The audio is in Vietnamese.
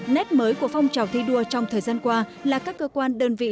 nét mới của phong trào thi đua trong thời gian qua là các cơ quan đơn vị